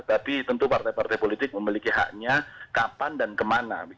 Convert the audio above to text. tapi tentu partai partai politik memiliki haknya kapan dan kemana